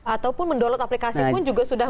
ataupun mendownload aplikasi pun juga sudah